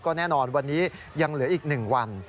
ก็แน่นอนวันนี้ยังเหลืออีกหนึ่งวัน